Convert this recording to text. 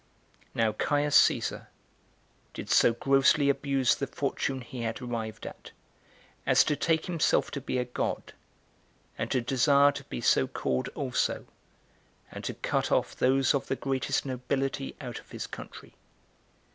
1. Now Caius Caesar did so grossly abuse the fortune he had arrived at, as to take himself to be a god, and to desire to be so called also, and to cut off those of the greatest nobility out of his country.